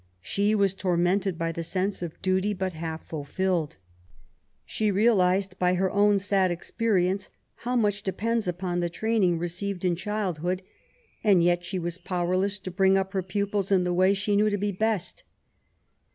She was tormented by the sense of duty but half fulfilled. She realized^ by her own sad experi ence, how much depends upon the training received in childhood, and yet she was powerless to bring up her pupils in the way she knew to be best.